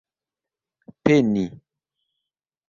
peni